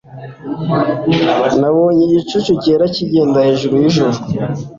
Nabonye igicu cyera kigenda hejuru yijuru.